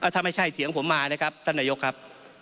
ถ้าไม่ใช่เถียงผมมานะครับท่านนายกครับ